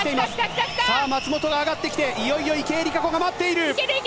松元が上がってきていよいよ池江璃花子が待っている。